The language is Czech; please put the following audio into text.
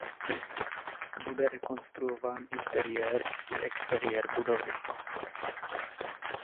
Bude rekonstruován interiér i exteriér budovy.